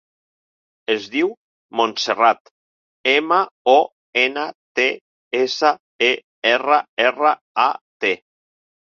Es diu Montserrat: ema, o, ena, te, essa, e, erra, erra, a, te.